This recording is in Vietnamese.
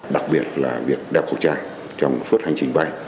đặc biệt là việc đeo khẩu trang trong suốt hành trình bay